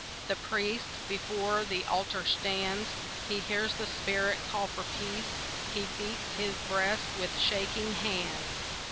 The priest before the altar stands, He hears the spirit call for peace; He beats his breast with shaking hands.